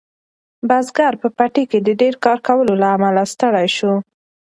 بزګر په پټي کې د ډیر کار کولو له امله ستړی شو.